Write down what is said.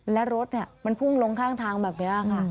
และรถเนี่ยมันพุ่งลงข้างทางแบบเนี่ยค่ะ